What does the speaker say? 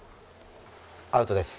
アウトです。